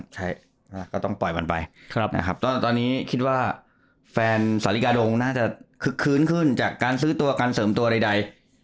ใช่ก็ต้องปล่อยมันไปนะครับตอนนี้คิดว่าแฟนสาฬิกาดงน่าจะคึกคืนขึ้นจากการซื้อตัวการเสริมตัวใด